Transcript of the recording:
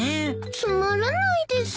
つまらないです。